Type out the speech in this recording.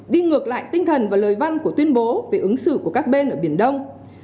đi ngược lại tinh thần và lời văn của tuyên bố về ứng xử của các bên ở biển đông